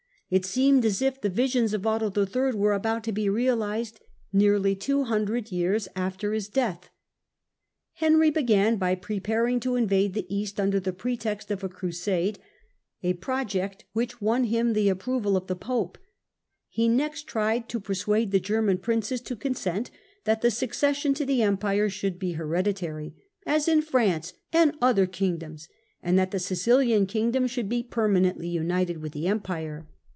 It seemed as if the visions of Otto III. were about to be realized nearly two hundred years after his death. Henry began by preparing to invade the East under pretext of a Crusade, a project which won him the approval of the Pope. He next tried to persuade the German princes to consent that the succession to the Empire should be hereditary, "as in France and other kingdoms," and that the Sicilian kingdom should be permanently united with the Empire.